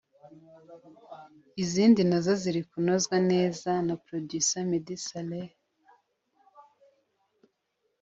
izindi na zo ziri kunozwa neza na Producer Meddy Saleh